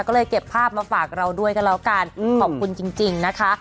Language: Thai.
ก็เลยเก็บภาพมาฝากเราด้วยกันแล้วกันขอบคุณจริงนะคะ